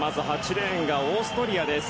８レーンがオーストリアです。